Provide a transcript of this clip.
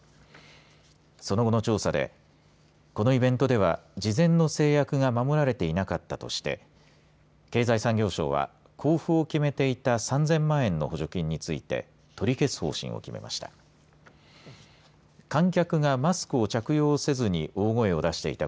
その後の調査でこのイベントでは事前の誓約が守られていなかったとして経済産業省は交付を決めていた３０００万円の補助金について取り消す方針を決めました。